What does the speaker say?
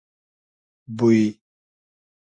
بوی